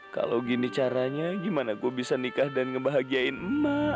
kalau gini caranya gimana gue bisa nikah dan ngebahagiain emak